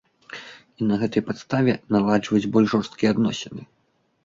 І на гэтай падставе наладжваюць больш жорсткія адносіны.